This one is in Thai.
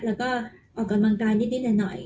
แล้วก็ออกกำลังกายนิดหน่อย